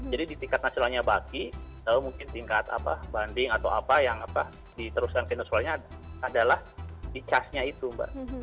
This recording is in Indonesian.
jadi di tingkat nasionalnya baki atau mungkin tingkat banding atau apa yang diteruskan ke nasionalnya adalah di cas nya itu mbak